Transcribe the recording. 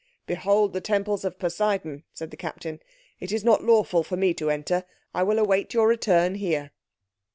"Behold the Temples of Poseidon," said the Captain. "It is not lawful for me to enter. I will await your return here."